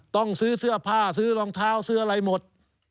ต้องซื้อเสื้อผ้าซื้อรองเท้าซื้ออะไรหมด